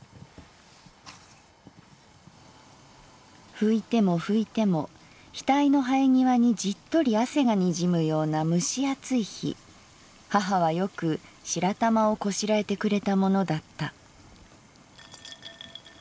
「拭いても拭いても額のはえ際にジットリ汗がにじむような蒸し暑い日母はよく白玉をこしらえてくれたものだった」。